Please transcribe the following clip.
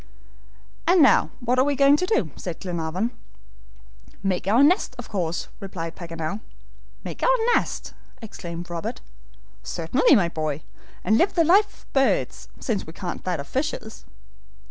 "And now what are we going to do?" said Glenarvan. "Make our nest, of course!" replied Paganel "Make our nest!" exclaimed Robert. "Certainly, my boy, and live the life of birds, since we can't that of fishes."